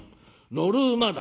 乗る馬だ」。